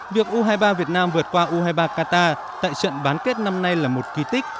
việc u hai mươi ba việt nam vượt qua u hai mươi ba qatar tại trận bán kết năm nay là một kỳ tích